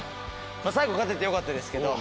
最後勝ててよかったですけど。